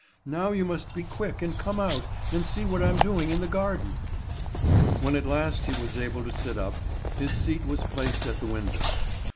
"Now you must be quick and come out, and see what I'm doing in the garden." When at last he was allowed to sit up, his seat was placed at the window.